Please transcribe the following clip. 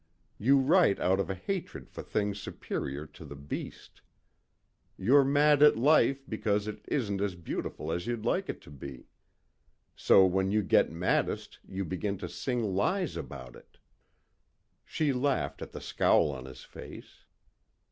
You write out of a hatred for things superior to the beast. You're mad at life because it isn't as beautiful as you'd like it to be. So when you get maddest you begin to sing lies about it." She laughed at the scowl on his face.